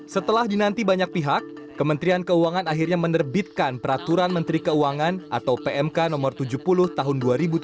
setelah dinanti banyak pihak kementerian keuangan akhirnya menerbitkan peraturan menteri keuangan atau pmk no tujuh puluh tahun dua ribu tujuh belas